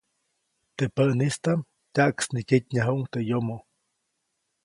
Teʼ päʼnistaʼm tyaʼksniketnyajuʼuŋ teʼ yomo.